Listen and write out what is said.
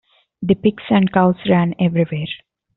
The pigs and cows ran everywhere.